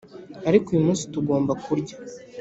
ariko uyu munsi tugomba kurya